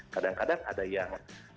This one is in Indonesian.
kadang kadang ada yang